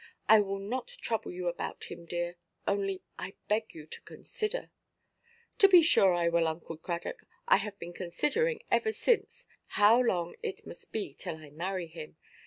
I will not trouble you about him, dear. Only I beg you to consider." "To be sure I will, Uncle Cradock, I have been considering ever since how long it must be till I marry him.